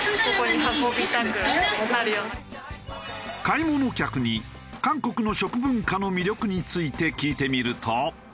買い物客に韓国の食文化の魅力について聞いてみると。